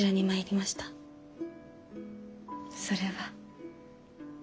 それは。